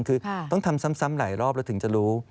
คือต้องทำซ้ำหลายรอบแล้วถึงจะรู้